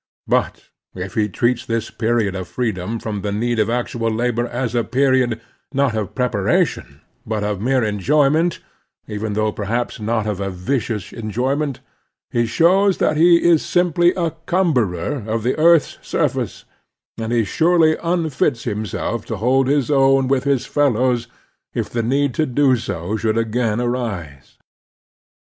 But if he treats this period of freedom from the need of actual labor as a period, not of prepara tion, but of mere enjoyment, even though perhaps not of vicious enjoyment, he shows that he is sim ply a cumberer of the earth's surface, and he surely unfits himself to hold his own with his fellows if the need to do so should again arise.